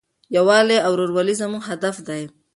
یووالی او ورورولي زموږ هدف دی.